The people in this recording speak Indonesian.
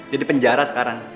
dia di penjara sekarang